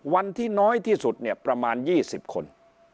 วันที่น้อยที่สุดเนี่ยประมาณ๒๐คน